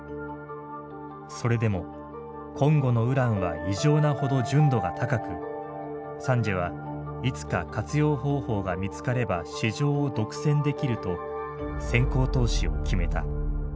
それでもコンゴのウランは異常なほど純度が高くサンジエはいつか活用方法が見つかれば市場を独占できると先行投資を決めた。